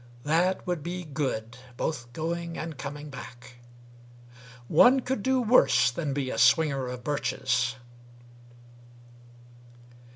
That would be good both going and coming back. One could do worse than be a swinger of birches.